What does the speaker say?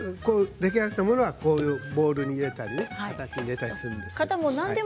出来上がったものはボウルに入れたり型に入れたりするんですけれども。